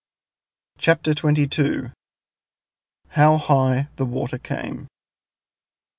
CHAPTER TWENTY TWO. HOW HIGH THE WATER CAME.